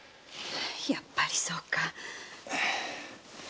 やっぱりそうか。